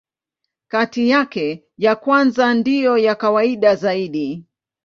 Kati yake, ya kwanza ndiyo ya kawaida zaidi.